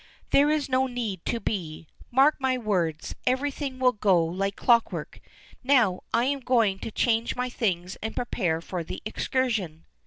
"There is no need to be. Mark my words, everything will go like clockwork. Now I am going to change my things and prepare for the excursion."